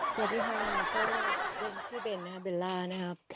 เสียดิหาก็เป็นชื่อเบลล้านะครับ